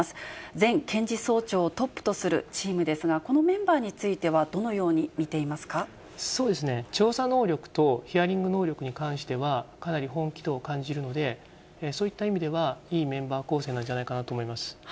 前検事総長をトップとするチームですが、このメンバーについては、そうですね、調査能力とヒアリング能力に関しては、かなり本気度を感じるので、そういった意味では、いいメンバー構成なんじゃないかなと思います。